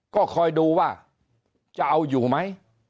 ก็คอยดูว่าจะเอาอยู่ไหม